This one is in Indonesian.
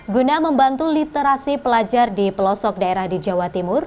guna membantu literasi pelajar di pelosok daerah di jawa timur